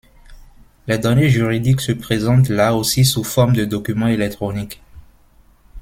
Les données juridiques se présentent là aussi sous forme de documents électroniques.